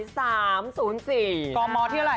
กมที่อะไร